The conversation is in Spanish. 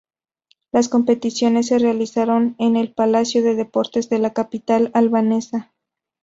Las competiciones se realizaron en el Palacio de Deportes de la capital albanesa.